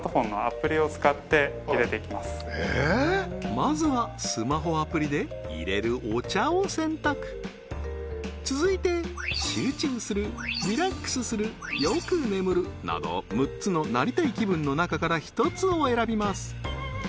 まずはスマホアプリで淹れるお茶を選択続いて集中するリラックスするよく眠るなど６つのなりたい気分の中から１つを選びます